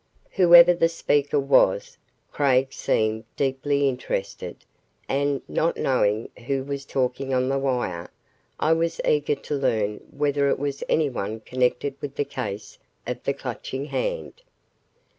Whoever the speaker was, Craig seemed deeply interested, and, not knowing who was talking on the wire, I was eager to learn whether it was anyone connected with the case of the Clutching Hand.